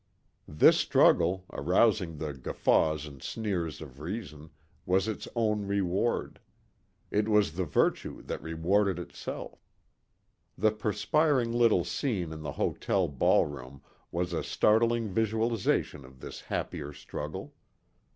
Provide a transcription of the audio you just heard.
This struggle, arousing the guffaws and sneers of reason, was its own reward. It was the virtue that rewarded itself. The perspiring little scene in the hotel ball room was a startling visualization of this happier struggle.